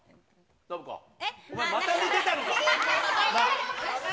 また寝てたのか。